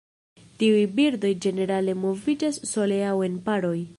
Tiuj birdoj ĝenerale moviĝas sole aŭ en paroj.